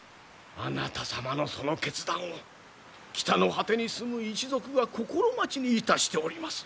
あなた様のその決断を北の果てに住む一族が心待ちにいたしております。